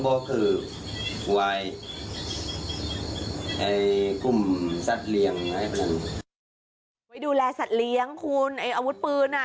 ดูแลสัตว์เลี้ยงอาวุธปืน